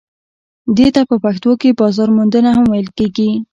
دې ته په پښتو کې بازار موندنه هم ویل کیږي.